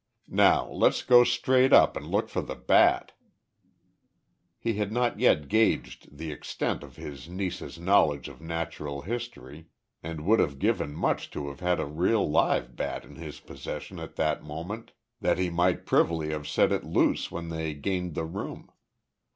Now let's go straight up and look for the bat." He had as yet not gauged the extent of his niece's knowledge of natural history, and would have given much to have had a real live bat in his possession at that moment, that he might privily have set it loose when they gained the room.